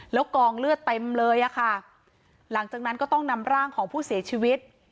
แล้วกองเลือดเต็มเลยอะค่ะหลังจากนั้นก็ต้องนำร่างของผู้เสียชีวิต